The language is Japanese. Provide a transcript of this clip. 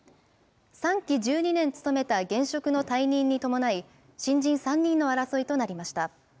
３期１２年務めた現職の退任に伴い、新人３人の争いとなりました。